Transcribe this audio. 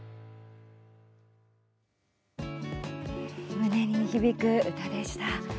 胸に響く歌でした。